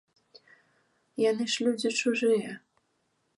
Яны ж людзі чужыя.